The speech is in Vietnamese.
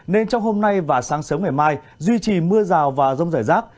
nên trong hôm nay và sáng sớm ngày mai duy trì mưa rào và rông rải rác